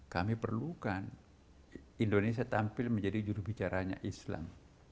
kami perlukan indonesia tampil menjadi jurubicaranya islam